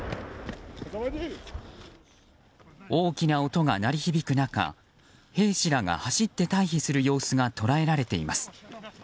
大きな音が鳴り響く中兵士らが走って退避する様子が捉えられています。